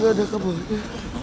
nggak ada kabarnya